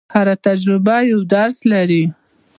هره تجربه یو درس لري.